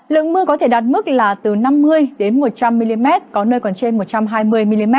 lượng mưa có thể đạt mức là từ năm mươi đến một trăm linh mm có nơi còn trên một trăm hai mươi mm